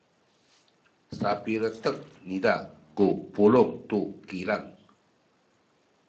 sapiletek niza ku pulung tu kilang.